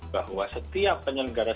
bahwa setiap penyelenggaraan